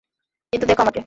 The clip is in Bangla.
কিন্তু, দেখো আমাকে।